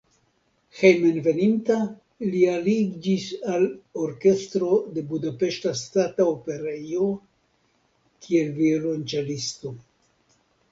Hejmenveninta li aliĝis al orkestro de Budapeŝta Ŝtata Operejo, kiel violonĉelisto.